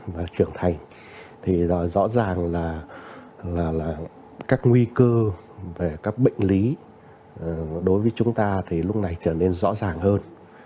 và trưởng thành thì rõ ràng là các nguy cơ về các bệnh lý đối với chúng ta thì lúc này trở nên rõ ràng hơn